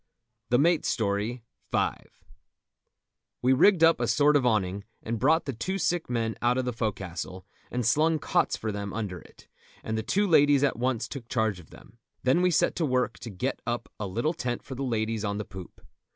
THE MATE'S STORY.—V. We rigged up a sort of awning, and brought the two sick men out of the fo'castle, and slung cots for them under it, and the two ladies at once took charge of them. Then we set to work to get up a little tent for the ladies on the poop.